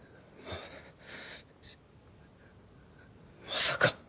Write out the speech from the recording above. まさか。